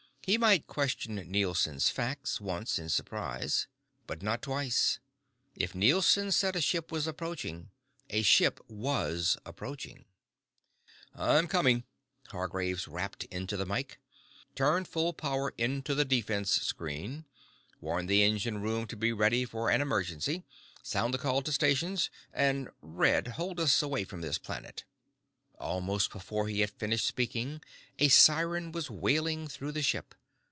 He might question Nielson's facts, once, in surprise. But not twice. If Nielson said a ship was approaching, a ship was approaching. "I'm coming," Hargraves rapped into the mike. "Turn full power into the defense screen. Warn the engine room to be ready for an emergency. Sound the call to stations. And Red, hold us away from this planet." Almost before he had finished speaking, a siren was wailing through the ship.